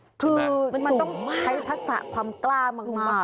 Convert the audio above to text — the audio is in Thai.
มันสูงมากอย่างนั้นคือให้ทักษะความกล้ามหมาก